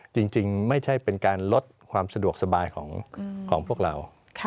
จริงไม่ใช่เป็นการลดความสะดวกสบายของพวกเรา